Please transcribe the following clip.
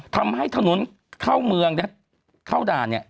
ทำให้ถนนเข้าเมืองเนี่ยเข้าด่านเนี่ย